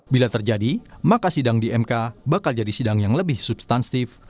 bila terjadi maka sidang di mk bakal jadi sidang yang lebih substantif